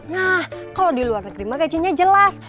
nah kalau di luar negeri mah gajinya jelas